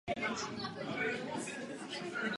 Získal také hodnost polního maršála.